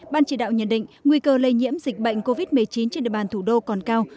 ban chỉ đạo nhận định nguy cơ lây nhiễm dịch bệnh covid một mươi chín trên địa bàn thủ đô còn cao